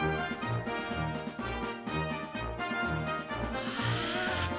わあ！